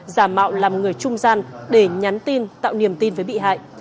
giả mạo làm người trung gian để nhắn tin tạo niềm tin với bị hại